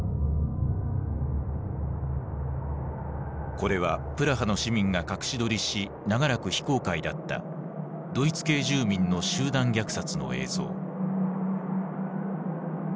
これはプラハの市民が隠し撮りし長らく非公開だったドイツ系住民の集団虐殺の映像。